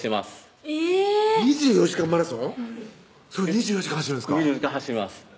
２４時間走ります